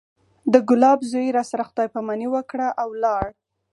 د ګلاب زوى راسره خداى پاماني وکړه او ولاړ.